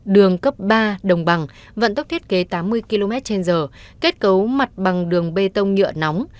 đường cấp ba đồng bằng vận tốc thiết kế tám mươi km trên giờ kết cấu mặt bằng đường bê tông nhựa nóng